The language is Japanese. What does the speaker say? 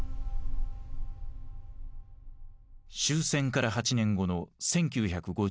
終戦から８年後の１９５３年。